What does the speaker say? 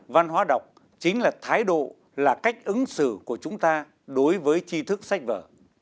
văn hóa đọc chính là thái độ là cách ứng xử của chúng ta đối với chi thức sách vở